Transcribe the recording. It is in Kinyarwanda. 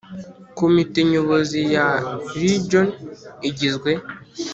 Komite Nyobozi ya Region igizwe